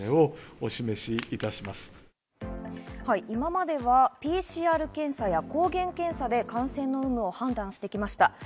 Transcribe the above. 今まではＰＣＲ検査や抗原検査で感染の有無を判断してきました。